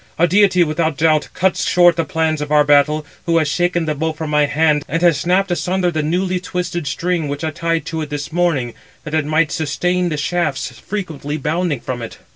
a deity, without doubt, cuts short the plans of our battle, who has shaken the bow from my hand, and has snapped asunder the newly twisted string which I tied to it this morning, that it might sustain the shafts frequently bounding from it."